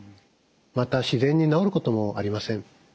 また自然に治ることもありません。